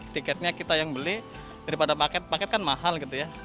tiketnya kita yang beli daripada paket paket kan mahal gitu ya